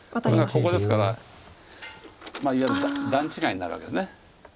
これがここですからいわゆる段違いになるわけです。